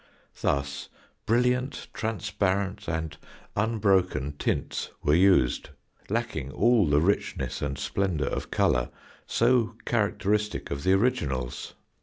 Thus, brilliant, transparent, and unbroken tints were used, lacking all the richness and splendour of colour so characteristic of the originals.